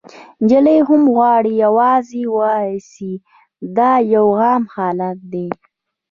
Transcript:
نجلۍ هم غواړي یوازې واوسي، دا یو عام حالت دی.